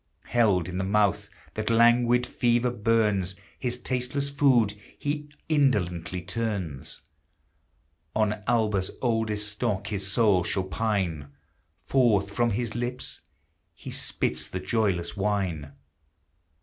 Held in the mouth that languid fever burns, His tasteless food he indolently turns; On Alba's oldest stock his soul shall pine! Forth from his lips he spits the joyless wine